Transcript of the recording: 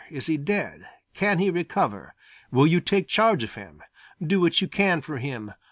Is he dead? Can he recover? Will you take charge of him? Do what you can for him.